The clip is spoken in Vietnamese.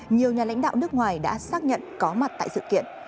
nhiều nhà lãnh đạo nước ngoài đã xác nhận có mặt tại sự kiện